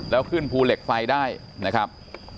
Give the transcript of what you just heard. แล้วขึ้นภูเหล็กไฟได้นะครับ